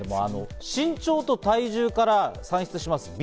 身長と体重から算出します